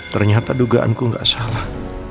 ternyata dugaanku gak salah